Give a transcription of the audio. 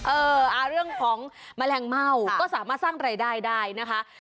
เรื่องของแมลงเม่าก็สามารถสร้างรายได้ได้นะคะ